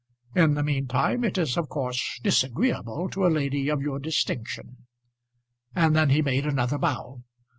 In the mean time it is of course disagreeable to a lady of your distinction." And then he made another bow.